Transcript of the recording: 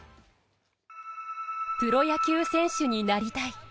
プロ野球選手になりたい。